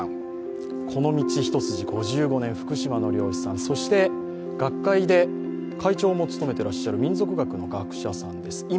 この道一筋５５年、福島の漁師さん、そして学会で会長も務めていらっしゃる民俗学の学者さんです。